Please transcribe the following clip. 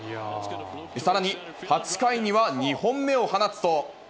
さらに、８回には２本目を放つと。